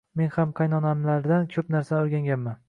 Men ham qaynonamlardan koʻp narsa oʻrganganman.